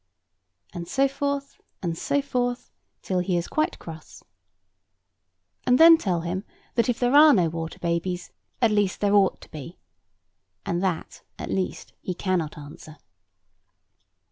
And so forth, and so forth, till he is quite cross. And then tell him that if there are no water babies, at least there ought to be; and that, at least, he cannot answer.